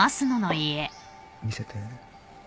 見せて。